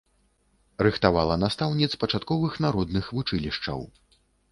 Рыхтавала настаўніц пачатковых народных вучылішчаў.